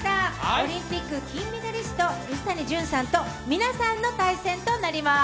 オリンピック金メダリスト、水谷隼さんと皆さんの対戦となります。